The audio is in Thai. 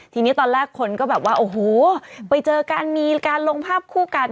ทีนี้ตอนแรกคนก็แบบว่าโอ้โหไปเจอกันมีการลงภาพคู่กัน